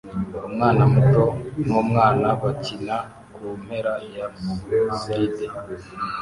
Umwana muto n'umwana bakina kumpera ya slide